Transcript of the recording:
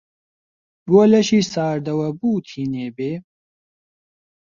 بۆ لەشی ساردەوە بوو تینێ بێ؟